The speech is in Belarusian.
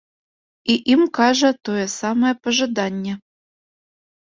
І ім кажа тое самае пажаданне.